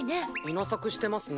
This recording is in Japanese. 稲作してますね。